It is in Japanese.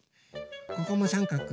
ここもさんかく。